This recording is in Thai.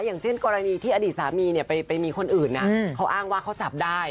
อย่างเช่นกรณีที่อดีตสามีเนี่ยไปมีคนอื่นนะเขาอ้างว่าเขาจับได้